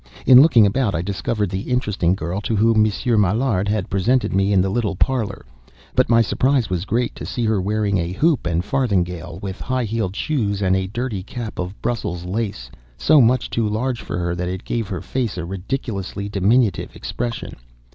In looking about, I discovered the interesting girl to whom Monsieur Maillard had presented me in the little parlor; but my surprise was great to see her wearing a hoop and farthingale, with high heeled shoes, and a dirty cap of Brussels lace, so much too large for her that it gave her face a ridiculously diminutive expression.